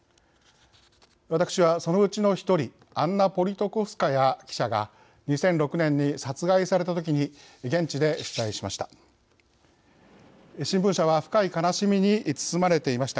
私は、そのうちの１人アンナ・ポリトコフスカヤ記者が２００６年に殺害されたときに現地で取材しました。